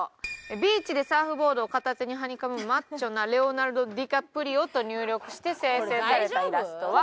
「ビーチでサーフボードを片手にはにかむマッチョなレオナルド・ディカプリオ」と入力して生成されたイラストは。